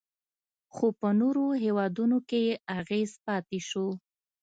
خو په نورو هیوادونو کې یې اغیز پاتې شو